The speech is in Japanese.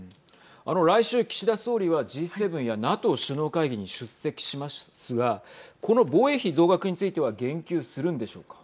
来週、岸田総理はＧ７やＮＡＴＯ首脳会議に出席しますがこの防衛費増額については言及するんでしょうか。